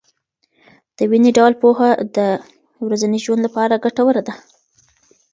دویني ډول پوهه د ورځني ژوند لپاره ګټوره ده.